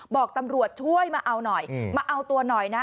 บอกตำรวจช่วยมาเอาหน่อยมาเอาตัวหน่อยนะ